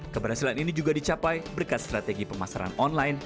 keberhasilan ini juga dicapai berkat strategi pemasaran online